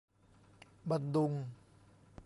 บันดุง